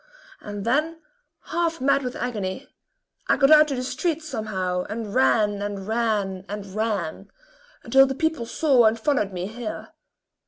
And then, half mad with agony, I got out to the street, somehow and ran, and ran, and ran, until the people saw and followed me here.